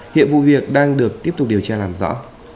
hiện vụ việc đang được tiếp tục điều tra làm rõ